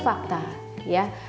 fakta atau hanya mitos